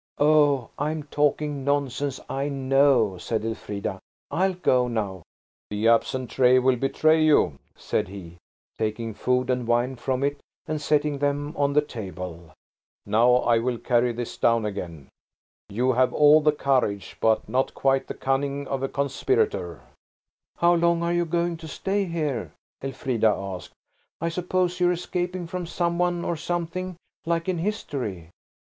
"Oh, I'm talking nonsense, I know," said Elfrida. "I'll go now." "The absent tray will betray you," said he, taking food and wine from it and setting them on the table. "Now I will carry this down again. You have all the courage, but not quite the cunning of a conspirator." "How long are you going to stay here?" Elfrida asked. "I suppose you're escaping from some one or something, like in history?"